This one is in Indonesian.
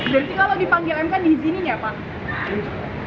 berarti kalau dipanggil m kan diizininya pak